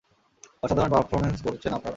অসাধারণ পার্ফমেন্স করেছেন আপনারা।